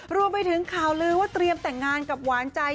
รวมไปถึงข่าวลือว่าเตรียมแต่งงานกับหวานใจ